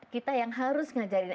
kita yang harus ngajarin